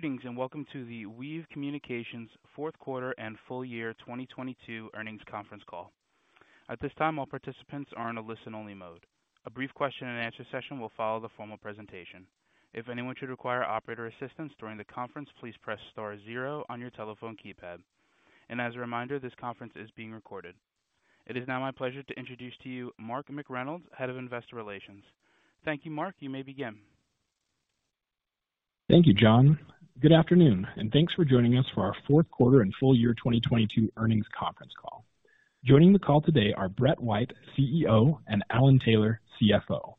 Greetings, welcome to the Weave Communications fourth quarter and full year 2022 earnings conference call. At this time, all participants are in a listen-only mode. A brief question and answer session will follow the formal presentation. If anyone should require operator assistance during the conference, please press star zero on your telephone keypad. As a reminder, this conference is being recorded. It is now my pleasure to introduce to you Mark McReynolds, Head of Investor Relations. Thank you, Mark. You may begin. Thank you, John. Good afternoon, and thanks for joining us for our fourth quarter and full year 2022 earnings conference call. Joining the call today are Brett White, CEO, and Alan Taylor, CFO.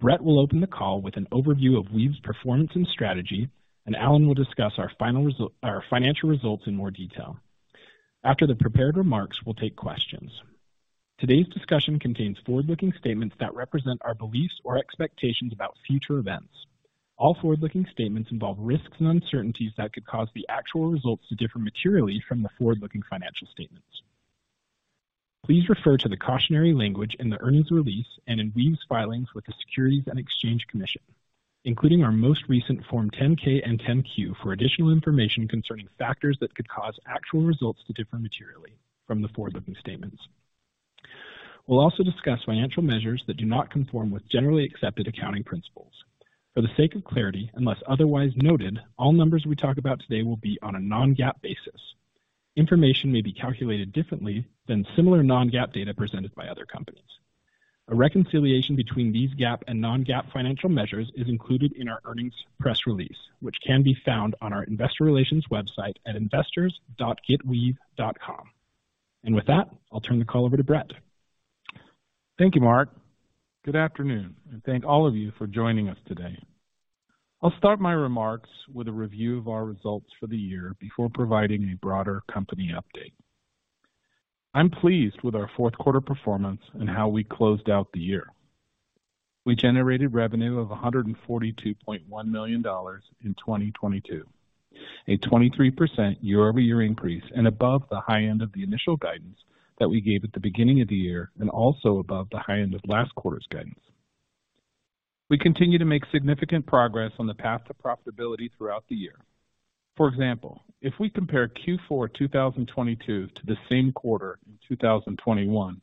Brett will open the call with an overview of Weave's performance and strategy, and Alan will discuss our financial results in more detail. After the prepared remarks, we'll take questions. Today's discussion contains forward-looking statements that represent our beliefs or expectations about future events. All forward-looking statements involve risks and uncertainties that could cause the actual results to differ materially from the forward-looking financial statements. Please refer to the cautionary language in the earnings release and in Weave's filings with the Securities and Exchange Commission, including our most recent Form 10-K and Form 10-Q, for additional information concerning factors that could cause actual results to differ materially from the forward-looking statements. We'll also discuss financial measures that do not conform with generally accepted accounting principles. For the sake of clarity, unless otherwise noted, all numbers we talk about today will be on a Non-GAAP basis. Information may be calculated differently than similar Non-GAAP data presented by other companies. A reconciliation between these GAAP and Non-GAAP financial measures is included in our earnings press release, which can be found on our investor relations website at investors.getweave.com. With that, I'll turn the call over to Brett. Thank you, Mark. Good afternoon. Thank all of you for joining us today. I'll start my remarks with a review of our results for the year before providing a broader company update. I'm pleased with our fourth quarter performance and how we closed out the year. We generated revenue of $142.1 million in 2022, a 23% year-over-year increase and above the high end of the initial guidance that we gave at the beginning of the year and also above the high end of last quarter's guidance. We continue to make significant progress on the path to profitability throughout the year. For example, if we compare Q4 2022 to the same quarter in 2021,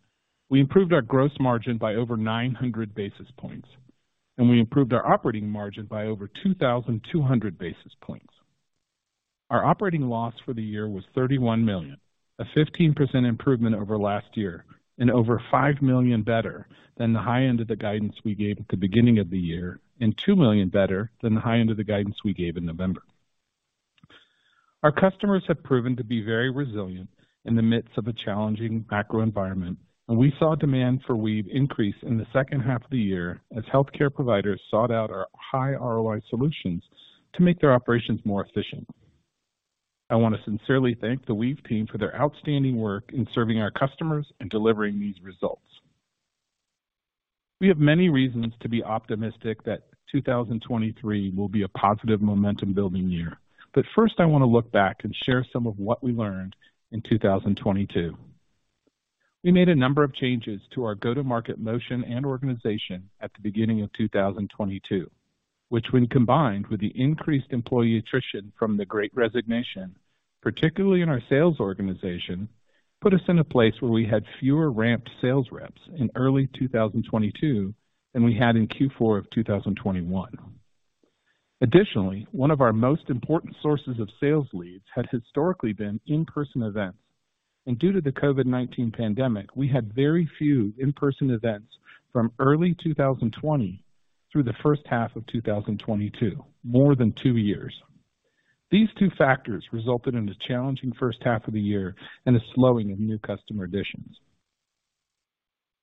we improved our gross margin by over 900 basis points, and we improved our operating margin by over 2,200 basis points. Our operating loss for the year was $31 million, a 15% improvement over last year and over $5 million better than the high end of the guidance we gave at the beginning of the year and $2 million better than the high end of the guidance we gave in November. Our customers have proven to be very resilient in the midst of a challenging macro environment, and we saw demand for Weave increase in the second half of the year as healthcare providers sought out our high ROI solutions to make their operations more efficient. I wanna sincerely thank the Weave team for their outstanding work in serving our customers and delivering these results. We have many reasons to be optimistic that 2023 will be a positive momentum building year. First, I wanna look back and share some of what we learned in 2022. We made a number of changes to our go-to-market motion and organization at the beginning of 2022, which, when combined with the increased employee attrition from the great resignation, particularly in our sales organization, put us in a place where we had fewer ramped sales reps in early 2022 than we had in Q4 of 2021. Additionally, one of our most important sources of sales leads has historically been in-person events, and due to the COVID-19 pandemic, we had very few in-person events from early 2020 through the first half of 2022, more than two years. These two factors resulted in a challenging first half of the year and a slowing of new customer additions.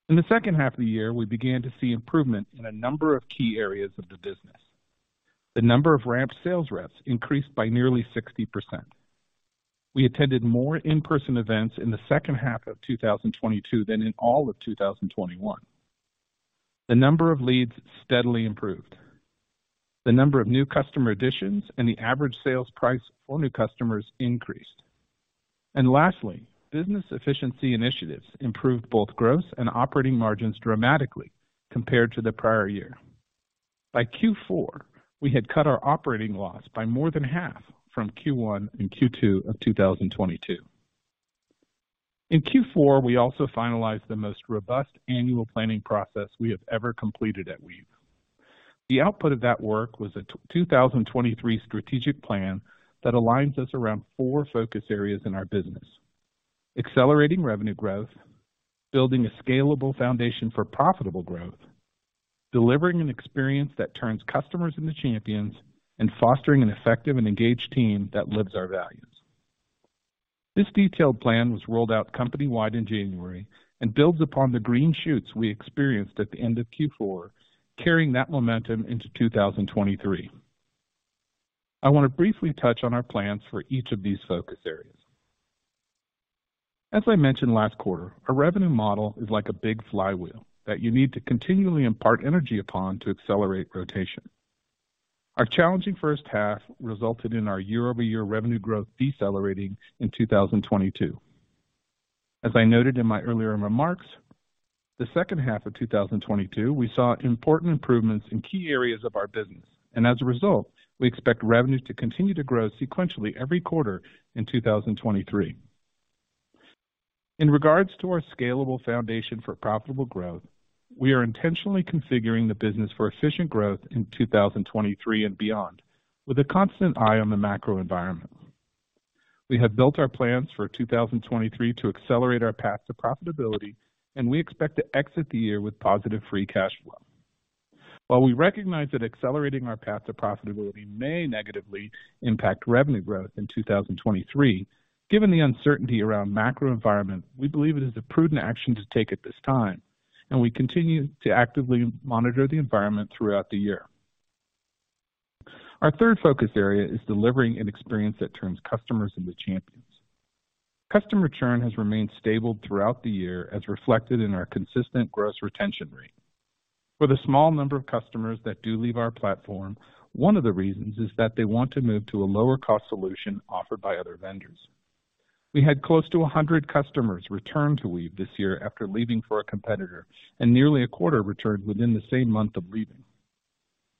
In the second half of the year, we began to see improvement in a number of key areas of the business. The number of ramped sales reps increased by nearly 60%. We attended more in-person events in the second half of 2022 than in all of 2021. The number of leads steadily improved. The number of new customer additions and the average sales price for new customers increased. Lastly, business efficiency initiatives improved both gross and operating margins dramatically compared to the prior year. By Q4, we had cut our operating loss by more than half from Q1 and Q2 of 2022. In Q4, we also finalized the most robust annual planning process we have ever completed at Weave. The output of that work was a 2023 strategic plan that aligns us around four focus areas in our business: accelerating revenue growth, building a scalable foundation for profitable growth, delivering an experience that turns customers into champions, and fostering an effective and engaged team that lives our values. This detailed plan was rolled out company-wide in January and builds upon the green shoots we experienced at the end of Q4, carrying that momentum into 2023. I wanna briefly touch on our plans for each of these focus areas. As I mentioned last quarter, our revenue model is like a big flywheel that you need to continually impart energy upon to accelerate rotation. Our challenging first half resulted in our year-over-year revenue growth decelerating in 2022. As I noted in my earlier remarks, the second half of 2022, we saw important improvements in key areas of our business. As a result, we expect revenue to continue to grow sequentially every quarter in 2023. In regards to our scalable foundation for profitable growth, we are intentionally configuring the business for efficient growth in 2023 and beyond, with a constant eye on the macro environment. We have built our plans for 2023 to accelerate our path to profitability. We expect to exit the year with positive free cash flow. While we recognize that accelerating our path to profitability may negatively impact revenue growth in 2023, given the uncertainty around macro environment, we believe it is a prudent action to take at this time. We continue to actively monitor the environment throughout the year. Our third focus area is delivering an experience that turns customers into champions. Customer churn has remained stable throughout the year, as reflected in our consistent gross retention rate. For the small number of customers that do leave our platform, one of the reasons is that they want to move to a lower cost solution offered by other vendors. We had close to 100 customers return to Weave this year after leaving for a competitor, and nearly a quarter returned within the same month of leaving.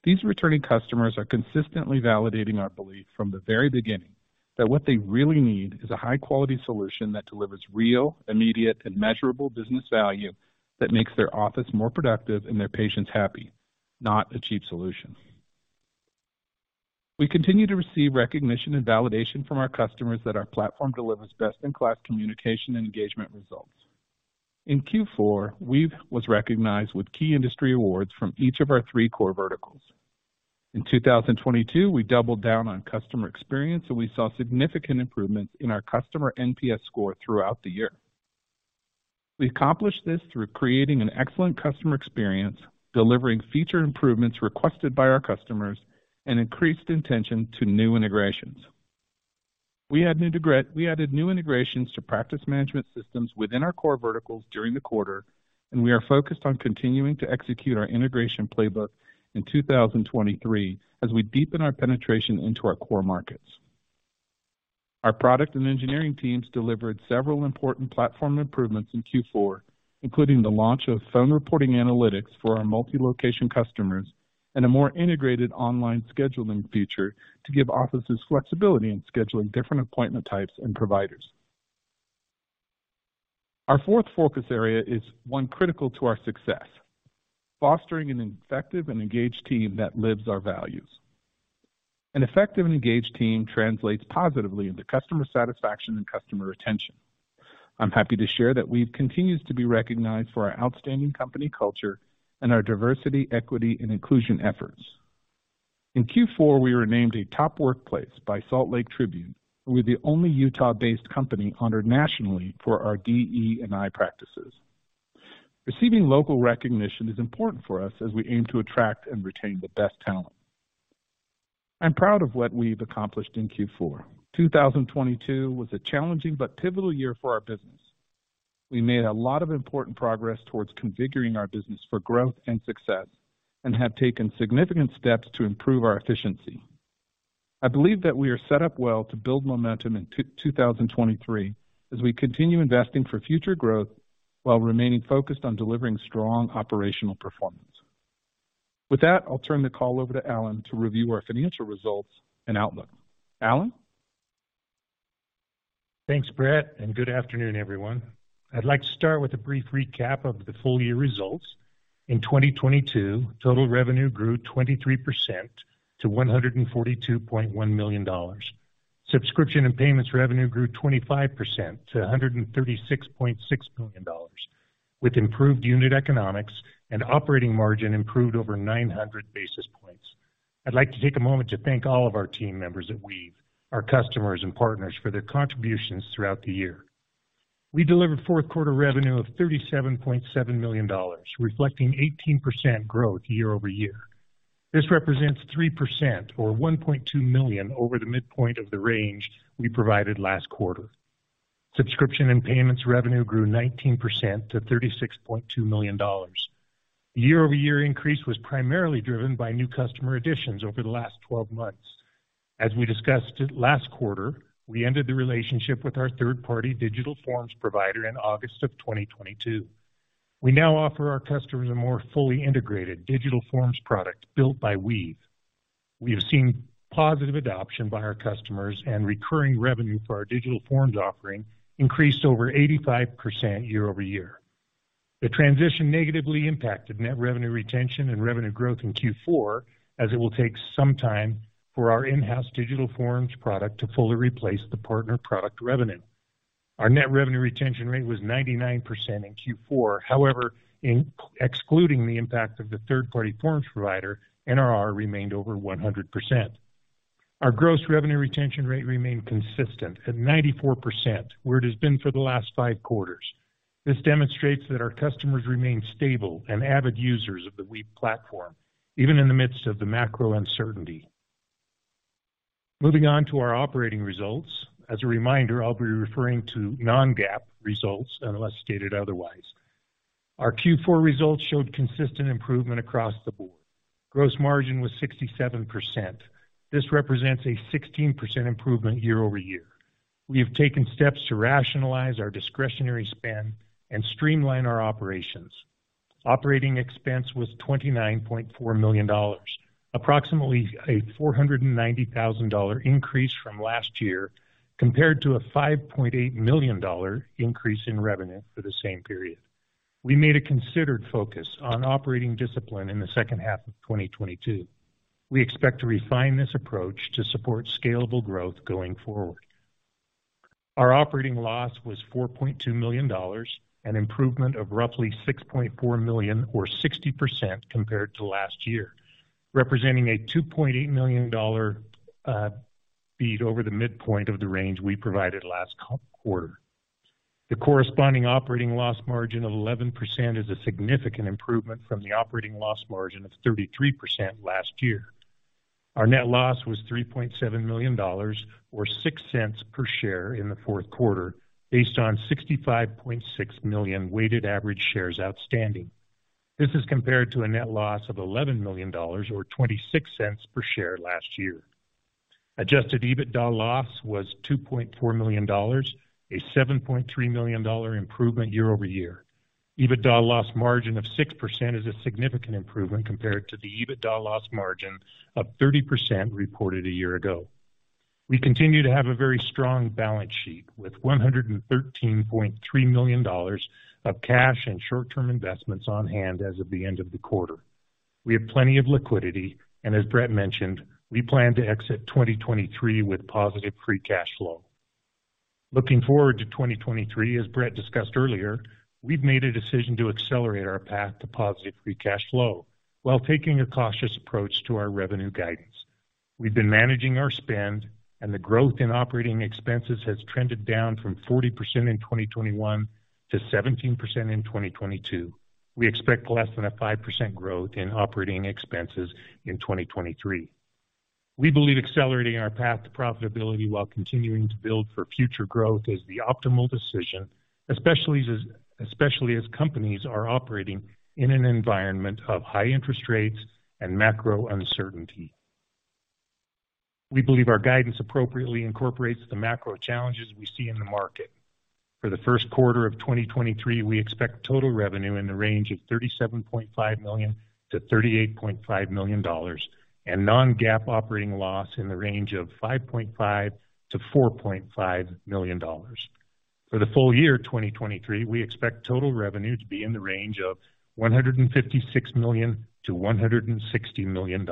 These returning customers are consistently validating our belief from the very beginning that what they really need is a high-quality solution that delivers real, immediate, and measurable business value that makes their office more productive and their patients happy, not a cheap solution. We continue to receive recognition and validation from our customers that our platform delivers best-in-class communication and engagement results. In Q4, Weave was recognized with key industry awards from each of our three core verticals. In 2022, we doubled down on customer experience, and we saw significant improvements in our customer NPS score throughout the year. We accomplished this through creating an excellent customer experience, delivering feature improvements requested by our customers, and increased intention to new integrations. We added new integrations to practice management systems within our core verticals during the quarter, and we are focused on continuing to execute our integration playbook in 2023 as we deepen our penetration into our core markets. Our product and engineering teams delivered several important platform improvements in Q4, including the launch of phone reporting analytics for our multi-location customers and a more integrated online scheduling feature to give offices flexibility in scheduling different appointment types and providers. Our fourth focus area is one critical to our success, fostering an effective and engaged team that lives our values. An effective and engaged team translates positively into customer satisfaction and customer retention. I'm happy to share that Weave continues to be recognized for our outstanding company culture and our diversity, equity, and inclusion efforts. In Q4, we were named a top workplace by The Salt Lake Tribune and we're the only Utah-based company honored nationally for our DE&I practices. Receiving local recognition is important for us as we aim to attract and retain the best talent. I'm proud of what Weave accomplished in Q4. 2022 was a challenging but pivotal year for our business. We made a lot of important progress towards configuring our business for growth and success and have taken significant steps to improve our efficiency. I believe that we are set up well to build momentum in 2023 as we continue investing for future growth while remaining focused on delivering strong operational performance. With that, I'll turn the call over to Alan to review our financial results and outlook. Alan? Thanks, Brett, and good afternoon, everyone. I'd like to start with a brief recap of the full year results. In 2022, total revenue grew 23% to $142.1 million. Subscription and payments revenue grew 25% to $136.6 million, with improved unit economics and operating margin improved over 900 basis points. I'd like to take a moment to thank all of our team members at Weave, our customers and partners for their contributions throughout the year. We delivered fourth quarter revenue of $37.7 million, reflecting 18% growth year-over-year. This represents 3% or $1.2 million over the midpoint of the range we provided last quarter. Subscription and payments revenue grew 19% to $36.2 million. Year-over-year increase was primarily driven by new customer additions over the last 12 months. As we discussed it last quarter, we ended the relationship with our third-party Digital Forms provider in August of 2022. We now offer our customers a more fully integrated Digital Forms product built by Weave. We have seen positive adoption by our customers, and recurring revenue for our Digital Forms offering increased over 85% year-over-year. The transition negatively impacted net revenue retention and revenue growth in Q4, as it will take some time for our in-house Digital Forms product to fully replace the partner product revenue. Our net revenue retention rate was 99% in Q4. However, excluding the impact of the third-party forms provider, NRR remained over 100%. Our gross revenue retention rate remained consistent at 94%, where it has been for the last 5 quarters. This demonstrates that our customers remain stable and avid users of the Weave platform, even in the midst of the macro uncertainty. Moving on to our operating results. As a reminder, I'll be referring to non-GAAP results unless stated otherwise. Our Q4 results showed consistent improvement across the board. Gross margin was 67%. This represents a 16% improvement year-over-year. We have taken steps to rationalize our discretionary spend and streamline our operations. Operating expense was $29.4 million, approximately a $490,000 increase from last year compared to a $5.8 million increase in revenue for the same period. We made a considered focus on operating discipline in the second half of 2022. We expect to refine this approach to support scalable growth going forward. Our operating loss was $4.2 million, an improvement of roughly $6.4 million or 60% compared to last year, representing a $2.8 million beat over the midpoint of the range we provided last quarter. The corresponding operating loss margin of 11% is a significant improvement from the operating loss margin of 33% last year. Our net loss was $3.7 million, or $0.06 per share in the fourth quarter, based on 65.6 million weighted average shares outstanding. This is compared to a net loss of $11 million or $0.26 per share last year. Adjusted EBITDA loss was $2.4 million, a $7.3 million improvement year-over-year. EBITDA loss margin of 6% is a significant improvement compared to the EBITDA loss margin of 30% reported a year ago. We continue to have a very strong balance sheet with $113.3 million of cash and short-term investments on hand as of the end of the quarter. We have plenty of liquidity. As Brett mentioned, we plan to exit 2023 with positive free cash flow. Looking forward to 2023, as Brett discussed earlier, we've made a decision to accelerate our path to positive free cash flow while taking a cautious approach to our revenue guidance. We've been managing our spend. The growth in operating expenses has trended down from 40% in 2021 to 17% in 2022. We expect less than a 5% growth in operating expenses in 2023. We believe accelerating our path to profitability while continuing to build for future growth is the optimal decision, especially as companies are operating in an environment of high interest rates and macro uncertainty. We believe our guidance appropriately incorporates the macro challenges we see in the market. For the first quarter of 2023, we expect total revenue in the range of $37.5 million-$38.5 million and Non-GAAP operating loss in the range of $5.5 million-$4.5 million. For the full year 2023, we expect total revenue to be in the range of $156 million-$160 million.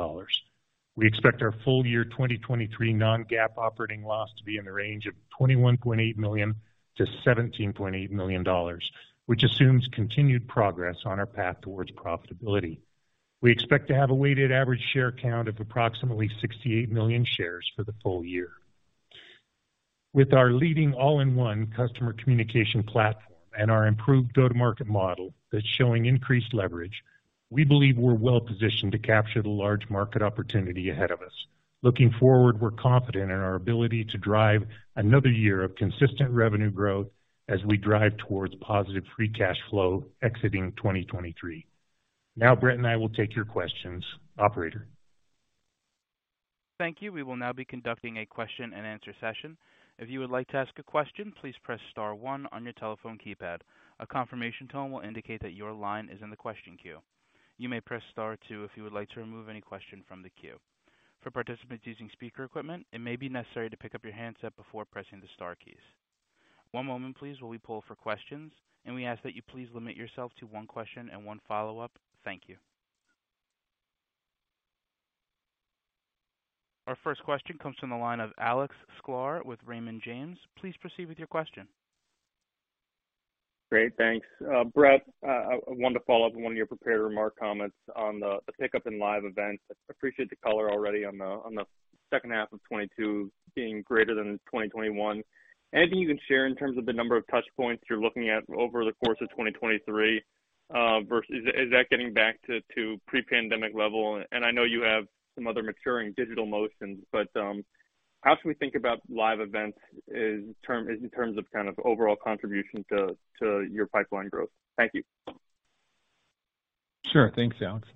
We expect our full year 2023 Non-GAAP operating loss to be in the range of $21.8 million-$17.8 million, which assumes continued progress on our path towards profitability. We expect to have a weighted average share count of approximately 68 million shares for the full year. With our leading all-in-one customer communication platform and our improved go-to-market model that's showing increased leverage, we believe we're well positioned to capture the large market opportunity ahead of us. Looking forward, we're confident in our ability to drive another year of consistent revenue growth as we drive towards positive free cash flow exiting 2023. Now Brett and I will take your questions. Operator? Thank you. We will now be conducting a question and answer session. If you would like to ask a question, please press star one on your telephone keypad. A confirmation tone will indicate that your line is in the question queue. You may press Star two if you would like to remove any question from the queue. For participants using speaker equipment, it may be necessary to pick up your handset before pressing the star keys. One moment please, while we poll for questions. We ask that you please limit yourself to one question and one follow-up. Thank you. Our first question comes from the line of Alex Sklar with Raymond James. Please proceed with your question. Great, thanks. Brett, I wanted to follow up on one of your prepared remark comments on the pickup in live events. I appreciate the color already on the second half of 2022 being greater than 2021. Anything you can share in terms of the number of touch points you're looking at over the course of 2023 versus? Is that getting back to pre-pandemic level? I know you have some other maturing digital motions, but how should we think about live events in terms of kind of overall contribution to your pipeline growth? Thank you. Sure. Thanks, Alex.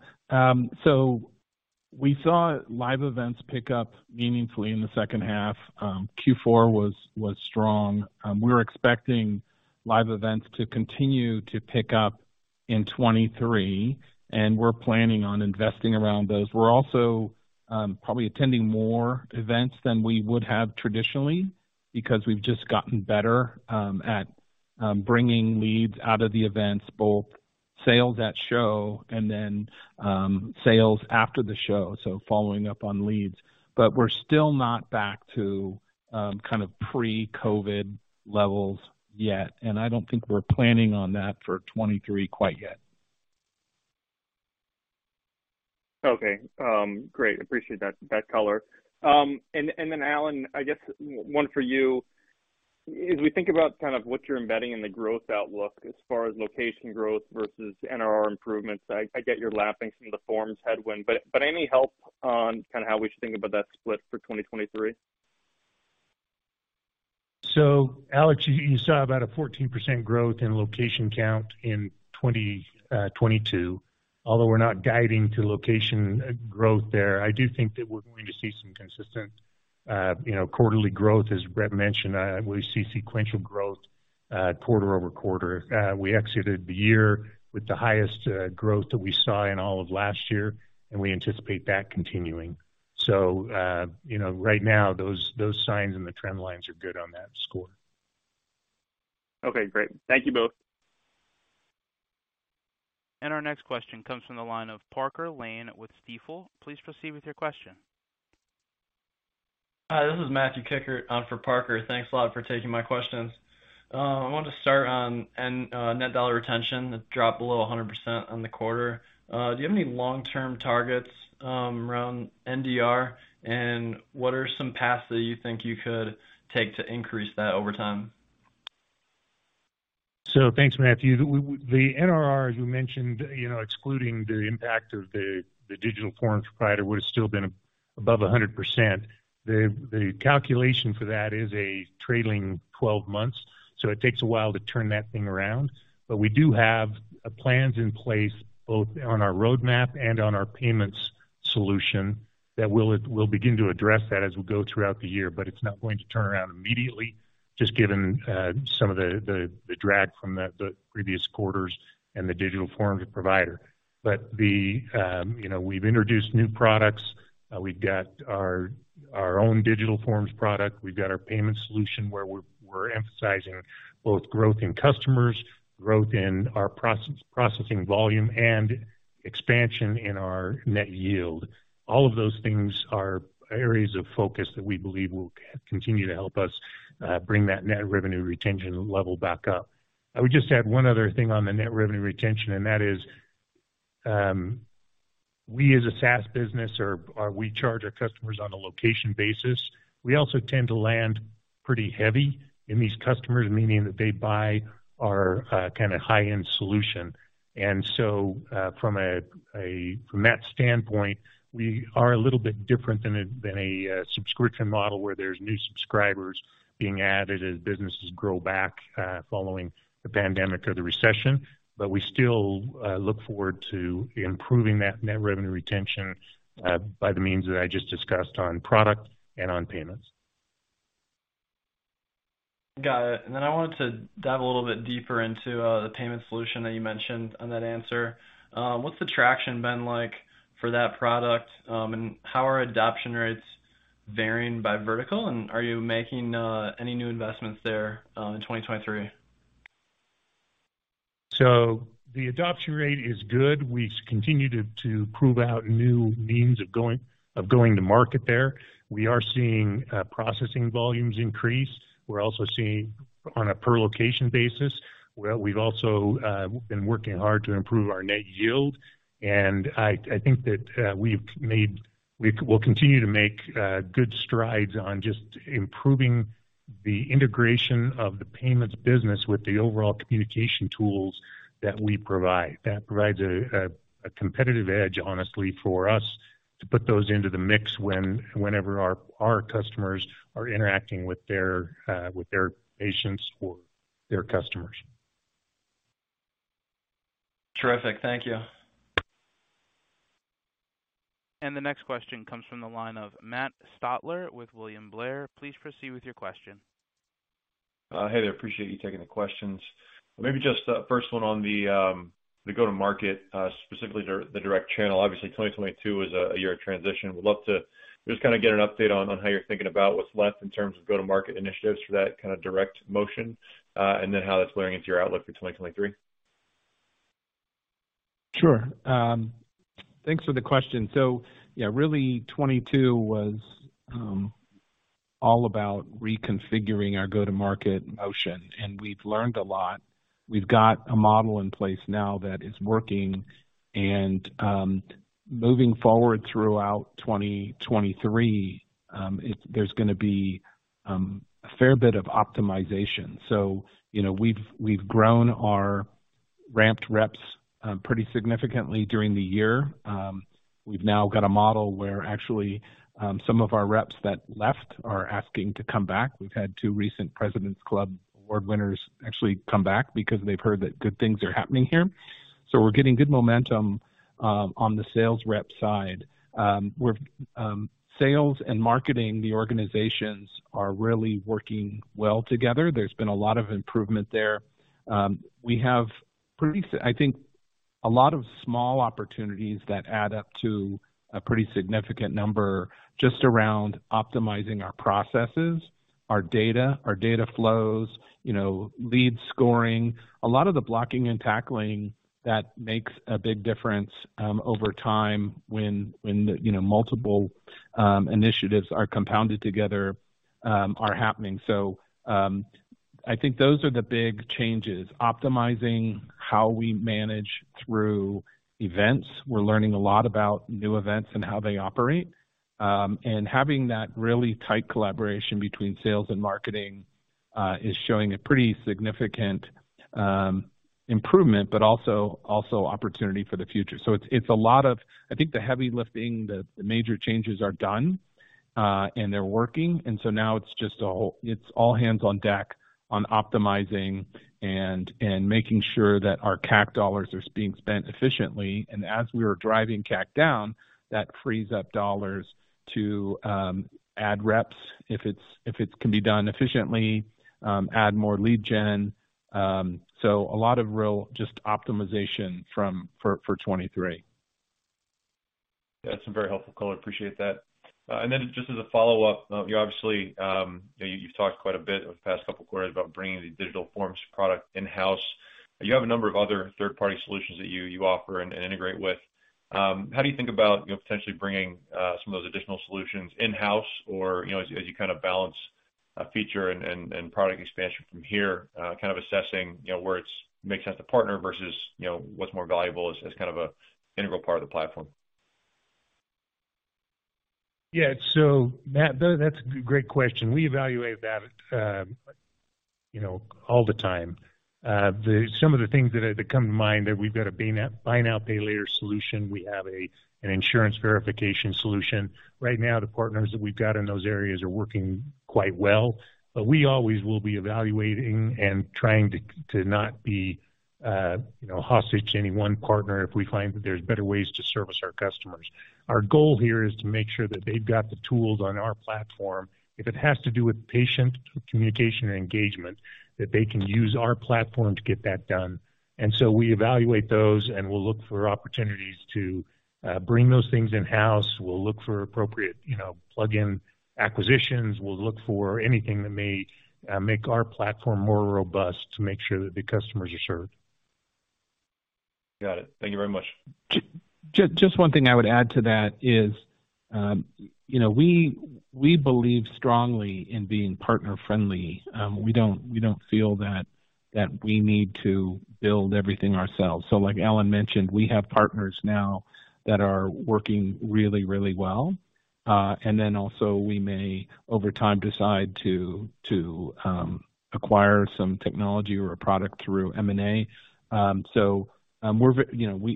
We saw live events pick up meaningfully in the second half. Q4 was strong. We're expecting live events to continue to pick up in 2023, and we're planning on investing around those. We're also probably attending more events than we would have traditionally because we've just gotten better at bringing leads out of the events, both sales at show and then sales after the show, so following up on leads. We're still not back to kind of pre-COVID levels yet, and I don't think we're planning on that for 2023 quite yet. Okay. great. Appreciate that color. and then, Alan, I guess one for you. As we think about kind of what you're embedding in the growth outlook as far as location growth versus NRR improvements. I get you're lapping some of the forms headwind, but any help on kind of how we should think about that split for 2023? Alex, you saw about a 14% growth in location count in 2022. Although we're not guiding to location growth there. I do think that we're going to see some consistent, you know, quarterly growth. As Brett mentioned, we see sequential growth, quarter-over-quarter. We exited the year with the highest growth that we saw in all of last year, and we anticipate that continuing. You know, right now, those signs and the trend lines are good on that score. Okay, great. Thank you both. Our next question comes from the line of Parker Lane with Stifel. Please proceed with your question. Hi, this is Matthew DeNichilo for Parker. Thanks a lot for taking my questions. I want to start on net dollar retention that dropped below 100% on the quarter. Do you have any long-term targets around NDR? What are some paths that you think you could take to increase that over time? Thanks, Matthew. The NRR you mentioned, you know, excluding the impact of the Digital Forms provider would have still been above 100%. The calculation for that is a trailing 12 months, so it takes a while to turn that thing around. We do have plans in place, both on our roadmap and on our payments solution that we'll begin to address that as we go throughout the year. It's not going to turn around immediately, just given some of the drag from the previous quarters and the Digital Forms provider. The, you know, we've introduced new products. We've got our own Digital Forms product. We've got our payment solution where we're emphasizing both growth in customers, growth in our processing volume, and expansion in our net yield. All of those things are areas of focus that we believe will continue to help us bring that net revenue retention level back up. I would just add one other thing on the net revenue retention. That is, we, as a SaaS business, we charge our customers on a location basis. We also tend to land pretty heavy in these customers, meaning that they buy our kinda high-end solution. So, from that standpoint, we are a little bit different than a subscription model where there's new subscribers being added as businesses grow back following the pandemic or the recession. We still look forward to improving that net revenue retention by the means that I just discussed on product and on payments. Got it. I wanted to dive a little bit deeper into the payment solution that you mentioned on that answer. What's the traction been like for that product? How are adoption rates varying by vertical? Are you making any new investments there in 2023? The adoption rate is good. We've continued to prove out new means of going to market there. We are seeing processing volumes increase. We're also seeing on a per location basis. We've also been working hard to improve our net yield. I think that we've will continue to make good strides on just improving the integration of the payments business with the overall communication tools that we provide. That provides a competitive edge, honestly, for us to put those into the mix whenever our customers are interacting with their patients or their customers. Terrific. Thank you. The next question comes from the line of Matt Stotler with William Blair. Please proceed with your question. Hey there. I appreciate you taking the questions. Maybe just first one on the go-to-market, specifically the direct channel. Obviously, 2022 was a year of transition. Would love to just kinda get an update on how you're thinking about what's left in terms of go-to-market initiatives for that kinda direct motion, and then how that's layering into your outlook for 2023? Sure. Thanks for the question. Yeah, really 2022 was all about reconfiguring our go-to-market motion, and we've learned a lot. We've got a model in place now that is working, and moving forward throughout 2023, there's gonna be a fair bit of optimization. You know, we've grown our ramped reps pretty significantly during the year. We've now got a model where actually, some of our reps that left are asking to come back. We've had two recent President's Club award winners actually come back because they've heard that good things are happening here. We're getting good momentum on the sales rep side. Sales and marketing the organizations are really working well together. There's been a lot of improvement there. We have pretty I think a lot of small opportunities that add up to a pretty significant number just around optimizing our processes, our data, our data flows, you know, lead scoring. A lot of the blocking and tackling that makes a big difference, over time when the, you know, multiple initiatives are compounded together, are happening. I think those are the big changes. Optimizing how we manage through events. We're learning a lot about new events and how they operate. Having that really tight collaboration between sales and marketing is showing a pretty significant. improvement, but also opportunity for the future. It's a lot of I think the heavy lifting, the major changes are done, and they're working. Now it's all hands on deck on optimizing and making sure that our CAC dollars are being spent efficiently. As we are driving CAC down, that frees up dollars to add reps if it's can be done efficiently, add more lead gen. A lot of real just optimization for 2023. That's some very helpful color. Appreciate that. Just as a follow-up, you obviously, you know, you've talked quite a bit over the past couple of quarters about bringing the Digital Forms product in-house. You have a number of other third-party solutions that you offer and integrate with. How do you think about, you know, potentially bringing some of those additional solutions in-house or, you know, as you kind of balance feature and product expansion from here, kind of assessing, you know, where it's make sense to partner versus, you know, what's more valuable as kind of a integral part of the platform? Matt, that's a great question. We evaluate that, you know, all the time. Some of the things that come to mind that we've got a Buy Now, Pay Later solution. We have an Insurance Verification solution. Right now, the partners that we've got in those areas are working quite well. We always will be evaluating and trying to not be, you know, hostage to any one partner if we find that there's better ways to service our customers. Our goal here is to make sure that they've got the tools on our platform, if it has to do with patient communication and engagement, that they can use our platform to get that done. We evaluate those, and we'll look for opportunities to bring those things in-house. We'll look for appropriate, you know, plug-in acquisitions. We'll look for anything that may make our platform more robust to make sure that the customers are served. Got it. Thank you very much. Just one thing I would add to that is, you know, we believe strongly in being partner-friendly. We don't feel that we need to build everything ourselves. Like Alan mentioned, we have partners now that are working really well. Also we may over time decide to acquire some technology or a product through M&A. We're, you know,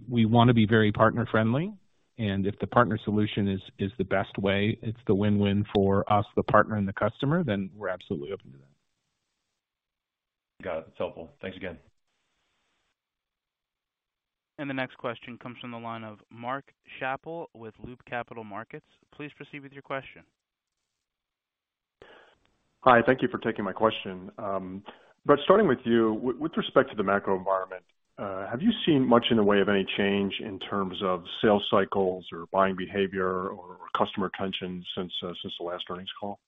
we wanna be very partner-friendly. If the partner solution is the best way, it's the win-win for us, the partner and the customer, then we're absolutely open to that. Got it. It's helpful. Thanks again. The next question comes from the line of Mark Schappel with Loop Capital Markets. Please proceed with your question. Hi. Thank you for taking my question. Brett, starting with you. With respect to the macro environment, have you seen much in the way of any change in terms of sales cycles or buying behavior or customer retention since the last earnings call?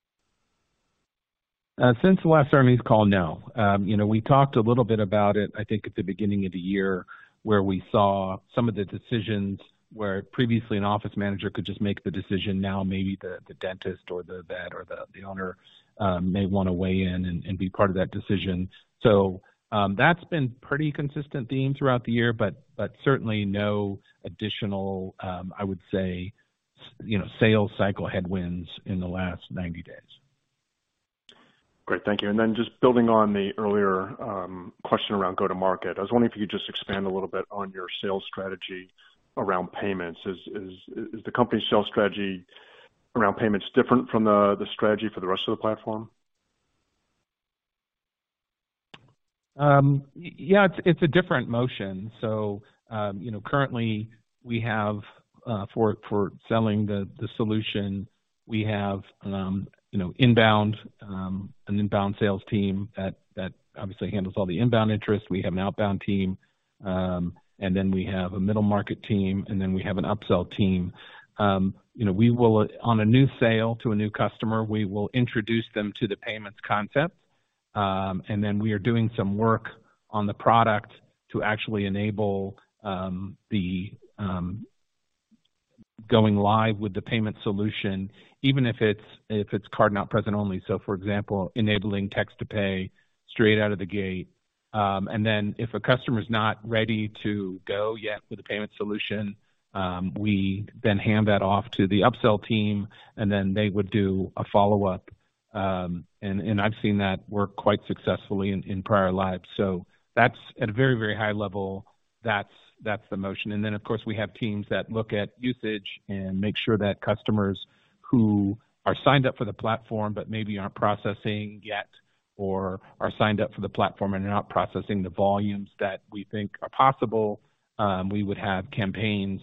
Since the last earnings call, no. You know, we talked a little bit about it, I think, at the beginning of the year, where we saw some of the decisions where previously an office manager could just make the decision, now maybe the dentist or the vet or the owner, may wanna weigh in and be part of that decision. That's been pretty consistent theme throughout the year, but certainly no additional, you know, sales cycle headwinds in the last 90 days. Great. Thank you. Then just building on the earlier, question around go-to-market. I was wondering if you could just expand a little bit on your sales strategy around payments. Is the company's sales strategy around payments different from the strategy for the rest of the platform? Yeah, it's a different motion. You know, currently we have for selling the solution, we have, you know, an inbound sales team that obviously handles all the inbound interest. We have an outbound team. We have a middle market team. We have an upsell team. You know, on a new sale to a new customer, we will introduce them to the payments concept. We are doing some work on the product to actually enable the going live with the payment solution, even if it's card not present only. Enabling Text to Pay straight out of the gate. If a customer's not ready to go yet with a payment solution, we then hand that off to the upsell team, and then they would do a follow-up. I've seen that work quite successfully in prior lives. That's at a very high level, that's the motion. Of course, we have teams that look at usage and make sure that customers who are signed up for the platform but maybe aren't processing yet or are signed up for the platform and are not processing the volumes that we think are possible, we would have campaigns,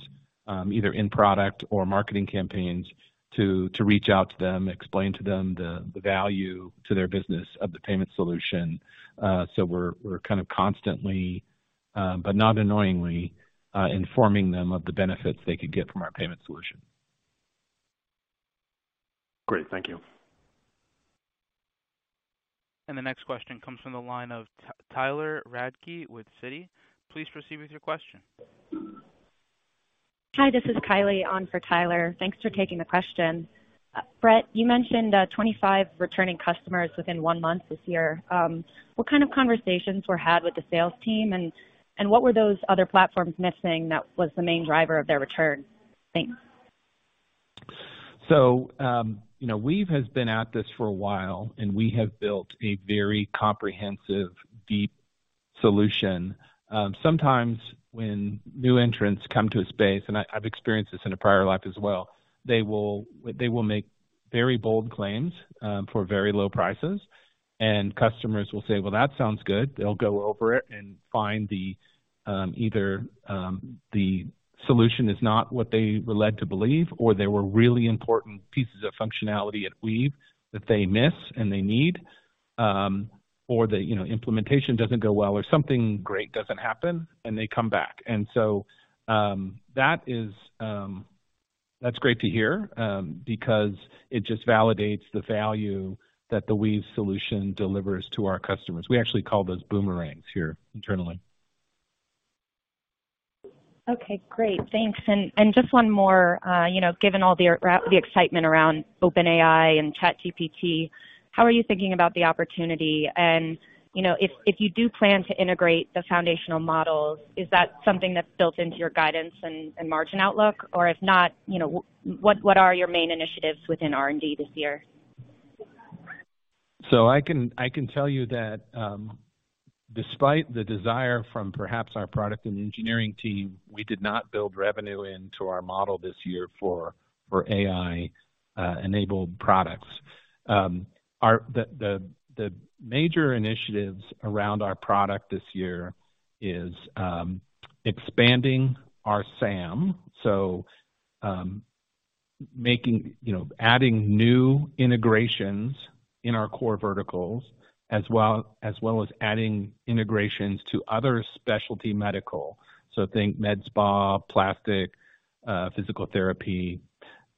either in-product or marketing campaigns to reach out to them, explain to them the value to their business of the payment solution. We're kind of constantly, but not annoyingly, informing them of the benefits they could get from our payment solution. Great. Thank you. The next question comes from the line of Tyler Radke with Citi. Please proceed with your question. Hi, this is Kylie on for Tyler. Thanks for taking the question. Brett, you mentioned, 25 returning customers within 1 month this year. What kind of conversations were had with the sales team, and what were those other platforms missing that was the main driver of their return? Thanks. You know, Weave has been at this for a while, and we have built a very comprehensive, deep solution. Sometimes when new entrants come to a space, and I've experienced this in a prior life as well, they will make very bold claims for very low prices, and customers will say, "Well, that sounds good." They'll go over it and find the either the solution is not what they were led to believe or there were really important pieces of functionality at Weave that they miss and they need or the, you know, implementation doesn't go well or something great doesn't happen and they come back. That's great to hear because it just validates the value that the Weave solution delivers to our customers. We actually call those boomerangs here internally. Okay, great. Thanks. Just one more. you know, given all the excitement around OpenAI and ChatGPT, how are you thinking about the opportunity? you know, if you do plan to integrate the foundational models, is that something that's built into your guidance and margin outlook? If not, you know, what are your main initiatives within R&D this year? I can tell you that, despite the desire from perhaps our product and engineering team, we did not build revenue into our model this year for AI enabled products. Our major initiatives around our product this year is expanding our SAM. You know, adding new integrations in our core verticals as well as adding integrations to other specialty medical. Think med spa, plastic, physical therapy.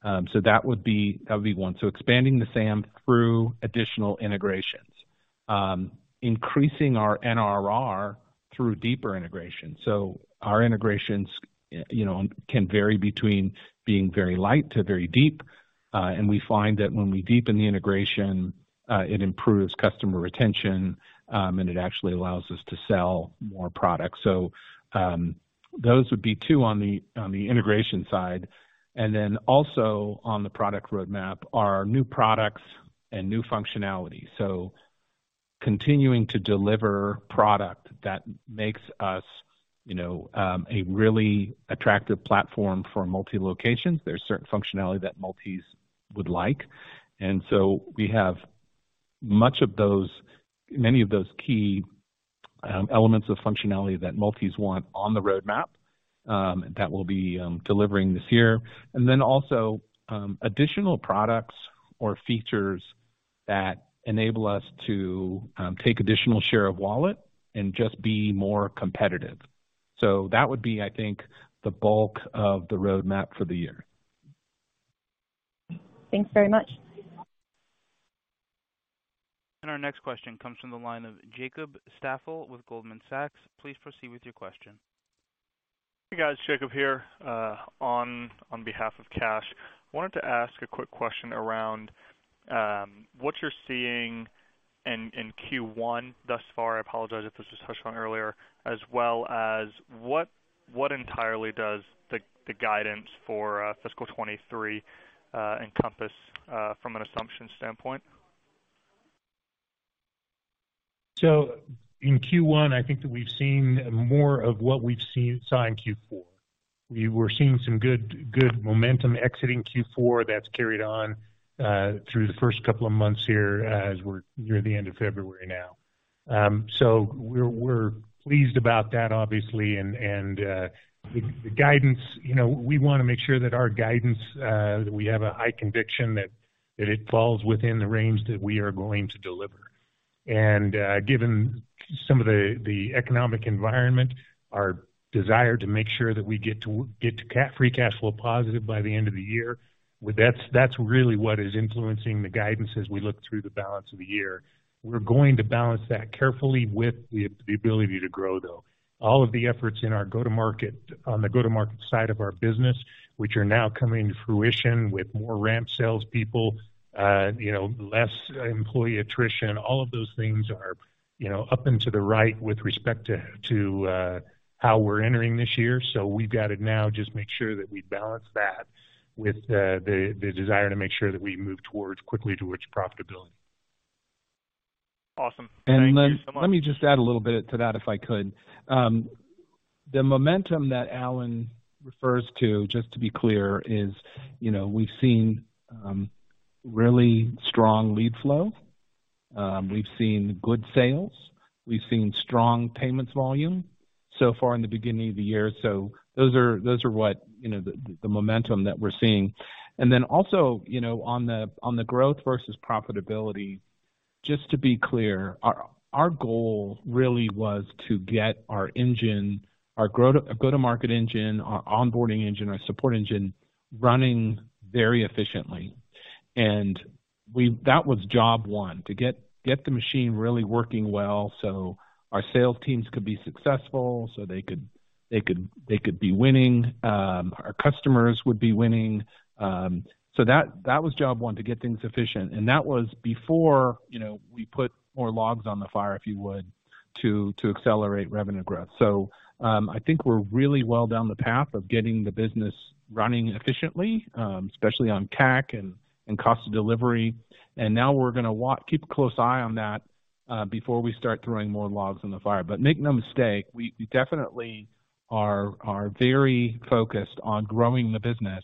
That would be one. Expanding the SAM through additional integrations. Increasing our NRR through deeper integration. Our integrations, you know, can vary between being very light to very deep. We find that when we deepen the integration, it improves customer retention, and it actually allows us to sell more product. Those would be two on the integration side. Also on the product roadmap are new products and new functionality. Continuing to deliver product that makes us, you know, a really attractive platform for multi-locations. There's certain functionality that multis would like. We have much of those, many of those key elements of functionality that multis want on the roadmap that we'll be delivering this year. Also, additional products or features that enable us to take additional share of wallet and just be more competitive. That would be, I think, the bulk of the roadmap for the year. Thanks very much. Our next question comes from the line of Jacob Staffel with Goldman Sachs. Please proceed with your question. Hey, guys. Jacob here, on behalf of Cash. Wanted to ask a quick question around what you're seeing in Q1 thus far. I apologize if this was touched on earlier. As well as what entirely does the guidance for fiscal 2023 encompass from an assumption standpoint? In Q1, I think that we've seen more of what we've seen in Q4. We were seeing some good momentum exiting Q4 that's carried on through the first couple of months here as we're near the end of February now. We're pleased about that obviously. The guidance, you know, we wanna make sure that our guidance that we have a high conviction that it falls within the range that we are going to deliver. Given some of the economic environment, our desire to make sure that we get to free cash flow positive by the end of the year, well, that's really what is influencing the guidance as we look through the balance of the year. We're going to balance that carefully with the ability to grow, though. All of the efforts in our go-to-market side of our business, which are now coming to fruition with more ramped salespeople, you know, less employee attrition, all of those things are, you know, up and to the right with respect to how we're entering this year. We've got to now just make sure that we balance that with the desire to make sure that we move quickly towards profitability. Awesome. Thank you so much. Let me just add a little bit to that if I could. The momentum that Alan refers to, just to be clear, is, you know, we've seen really strong lead flow. We've seen good sales. We've seen strong payments volume so far in the beginning of the year. Those are what, you know, the momentum that we're seeing. Also, you know, on the growth versus profitability, just to be clear, our goal really was to get our engine, our go-to-market engine, our onboarding engine, our support engine running very efficiently. That was job one, to get the machine really working well so our sales teams could be successful, so they could be winning, our customers would be winning. That was job one, to get things efficient. That was before, you know, we put more logs on the fire, if you would. To accelerate revenue growth. I think we're really well down the path of getting the business running efficiently, especially on CAC and cost of delivery. Now we're gonna keep a close eye on that before we start throwing more logs on the fire. Make no mistake, we definitely are very focused on growing the business.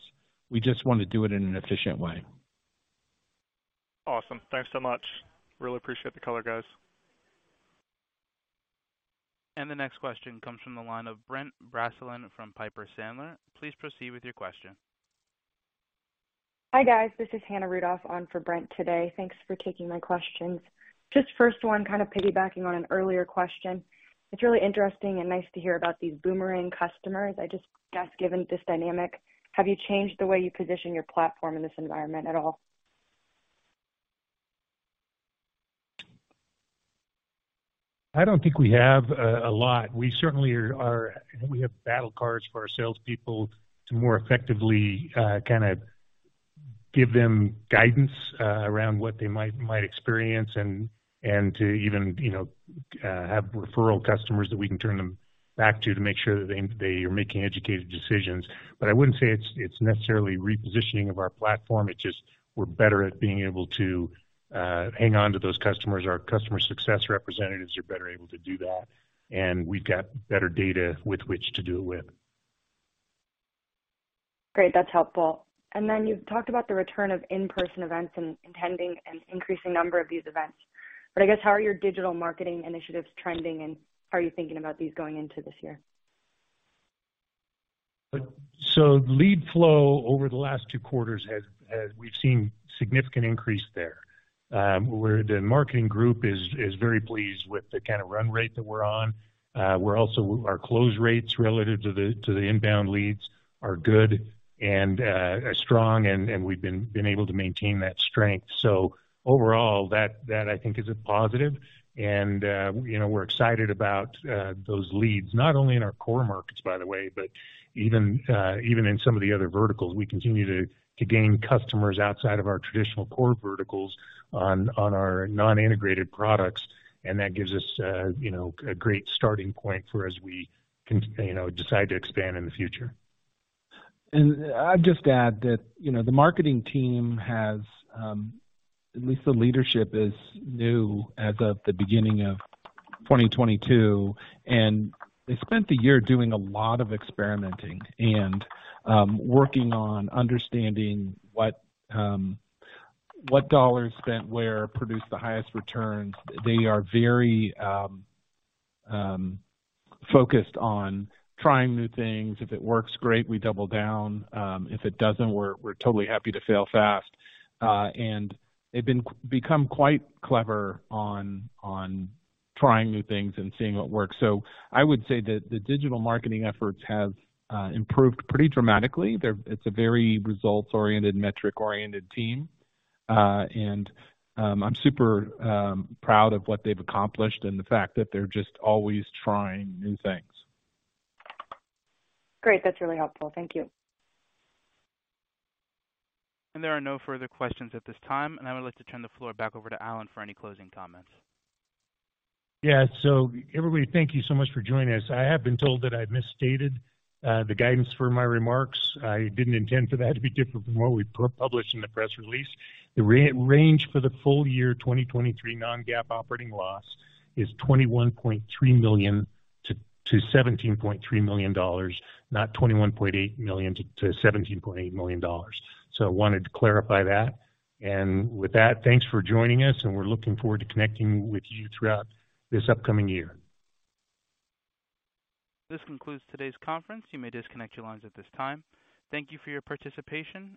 We just wanna do it in an efficient way. Awesome. Thanks so much. Really appreciate the color, guys. The next question comes from the line of Brent Bracelin from Piper Sandler. Please proceed with your question. Hi, guys. This is Hannah Rudoff on for Brent today. Thanks for taking my questions. Just first one, kind of piggybacking on an earlier question. It's really interesting and nice to hear about these boomerang customers. I just guess, given this dynamic, have you changed the way you position your platform in this environment at all? I don't think we have a lot. We certainly have battle cards for our salespeople to more effectively kinda give them guidance around what they might experience and to even, you know, have referral customers that we can turn them back to to make sure that they are making educated decisions. I wouldn't say it's necessarily repositioning of our platform. It's just we're better at being able to hang on to those customers. Our customer success representatives are better able to do that, and we've got better data with which to do it with. Great. That's helpful. Then you've talked about the return of in-person events and attending an increasing number of these events. I guess, how are your digital marketing initiatives trending, and how are you thinking about these going into this year? Lead flow over the last two quarters we've seen significant increase there. The marketing group is very pleased with the kinda run rate that we're on. Our close rates relative to the inbound leads are good and are strong, and we've been able to maintain that strength. Overall, that I think is a positive. You know, we're excited about those leads, not only in our core markets, by the way, but even even in some of the other verticals. We continue to gain customers outside of our traditional core verticals on our non-integrated products, and that gives us, you know, a great starting point for as we can, you know, decide to expand in the future. I'd just add that, you know, the marketing team has, at least the leadership is new as of the beginning of 2022, and they spent the year doing a lot of experimenting and working on understanding what what dollars spent where produced the highest returns. They are very focused on trying new things. If it works, great, we double down. If it doesn't, we're totally happy to fail fast. They've become quite clever on trying new things and seeing what works. I would say that the digital marketing efforts have improved pretty dramatically. It's a very results-oriented, metric-oriented team. I'm super proud of what they've accomplished and the fact that they're just always trying new things. Great. That's really helpful. Thank you. There are no further questions at this time, and I would like to turn the floor back over to Alan for any closing comments. Everybody, thank you so much for joining us. I have been told that I've misstated the guidance for my remarks. I didn't intend for that to be different from what we published in the press release. The range for the full year 2023 Non-GAAP operating loss is $21.3 million-$17.3 million, not $21.8 million-$17.8 million. I wanted to clarify that. With that, thanks for joining us, and we're looking forward to connecting with you throughout this upcoming year. This concludes today's conference. You may disconnect your lines at this time. Thank you for your participation.